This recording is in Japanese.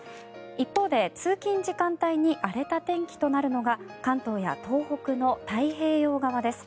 一方で通勤時間帯に荒れた天気となるのが関東や東北の太平洋側です。